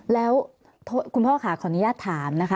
แล้วคุณพ่อค่ะขออนุญาตถามนะคะ